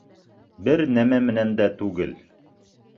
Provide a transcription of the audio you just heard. Бер нәмә менән дә түгел!